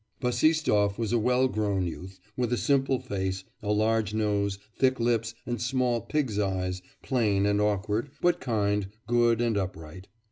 Bassistoff was a well grown youth, with a simple face, a large nose, thick lips, and small pig's eyes, plain and awkward, but kind, good, and upright.